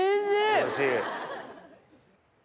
おいしい。